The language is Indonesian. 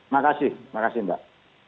makasih makasih mbak